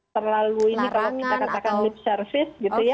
terlalu ini kalau kita katakan lip service